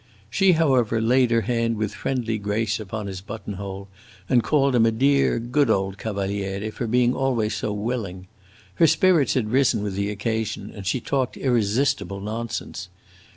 She, however, laid her hand with friendly grace upon his button hole, and called him a dear, good old Cavaliere, for being always so willing. Her spirits had risen with the occasion, and she talked irresistible nonsense.